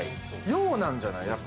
洋なんじゃない？